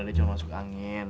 dia cuma masuk angin